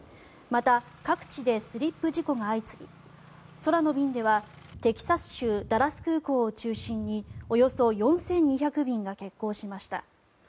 また各地でスリップ事故が相次ぎ空の便ではテキサス州ダラス空港を中心におよそ４２００便が欠航しました。